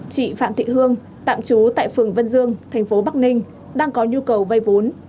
chị phạm thị hương tạm trú tại phường vân dương thành phố bắc ninh đang có nhu cầu vay vốn